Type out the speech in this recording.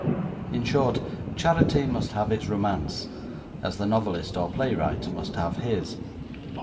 In short, charity must have its romance, as the novelist or playwright must have his.